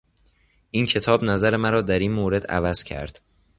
این کتاب نظر مرا در این مورد عوض کرد.